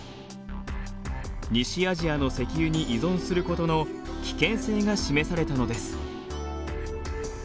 西アジアの石油に依存することの危険性が示されたのです。